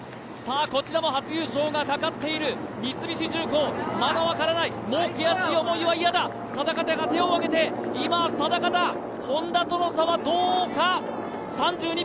こちらも初優勝がかかっている三菱重工、まだ分からない、もう悔しい思いは嫌だ、定方が手を挙げて、Ｈｏｎｄａとの差はどうか。